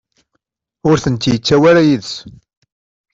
Ur tent-yettawi ara yid-s.